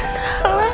aku gak salah